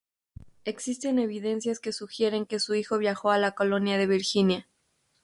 Existen evidencias que sugieren que su hijo viajó a la colonia de Virginia.